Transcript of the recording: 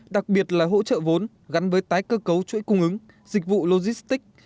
đặc biệt là hỗ trợ vốn gắn với tái cơ cấu chuỗi cung ứng dịch vụ logistics